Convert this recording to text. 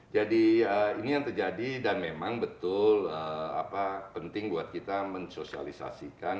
jadi ini yang terjadi dan memang betul penting buat kita mensosialisasikan